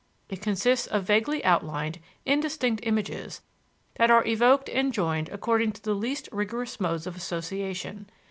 It consists of vaguely outlined, indistinct images that are evoked and joined according to the least rigorous modes of association.